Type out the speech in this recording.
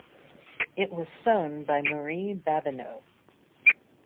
It was sewn by Marie Babineau.